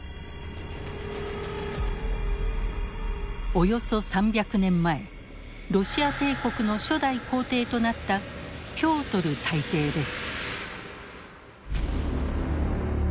およそ３００年前ロシア帝国の初代皇帝となったピョートル大帝です。